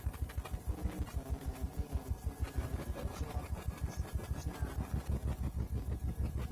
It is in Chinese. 光轴苎叶蒟为胡椒科胡椒属下的一个变种。